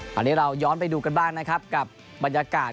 ตอนนี้เราย้อนไปดูกันบ้างนะครับกับบรรยากาศ